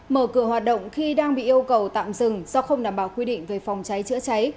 mở cửa hoạt động khi đang bị yêu cầu tạm dừng do không đảm bảo quy định về phòng cháy chữa cháy